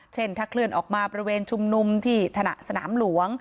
เช่นถ้าเคลื่อนออกมาบริเวณชุมนุมที่ถนสนามหลวง